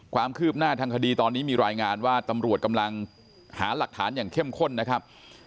ความคืบหน้าทางคดีตอนนี้มีรายงานว่าตำรวจกำลังหาหลักฐานอย่างเข้มข้นนะครับ